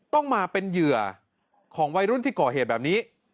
ต้องมาเป็นเหยื่อของวัยรุ่นที่ก่อเหตุแบบนี้